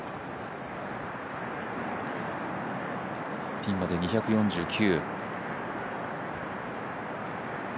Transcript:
ピンまで２４９。